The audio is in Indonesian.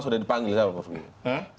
sudah dipanggil siapa prof gini